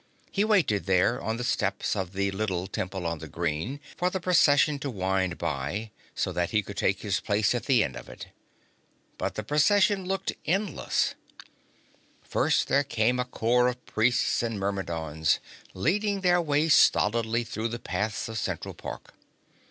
He waited there on the steps of the little Temple on the Green for the Procession to wind by, so that he could take his place at the end of it. But the Procession looked endless. First came a corps of Priests and Myrmidons, leading their way stolidly through the paths of Central Park.